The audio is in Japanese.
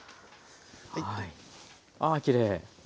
ああきれい。